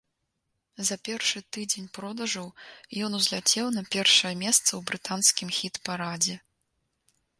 За першы тыдзень продажаў ён узляцеў на першае месца ў брытанскім хіт-парадзе.